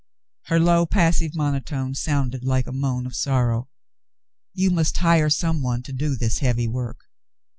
Her low, passive mono tone sounded like a moan of sorrow. "You must hire some one to do this heavy work.